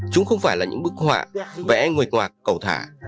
chúng không phải là những bức họa vẽ người ngoạc cầu thả